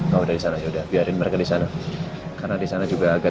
kalau disana sudah biarin mereka disana karena disana juga agak